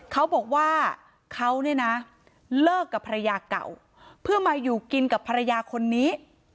เขาบอกว่าเขาเนี่ยนะเลิกกับภรรยาเก่าเพื่อมาอยู่กินกับภรรยาคนนี้